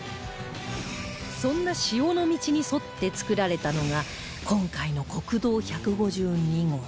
そんな塩の道に沿って造られたのが今回の国道１５２号